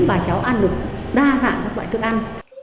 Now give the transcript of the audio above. và cháu ăn được đa dạng các loại thức ăn